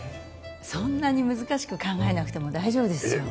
そんなに難しく考えなくても大丈夫ですよ